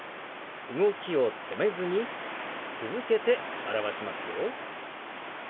動きを止めずに続けて表しますよ。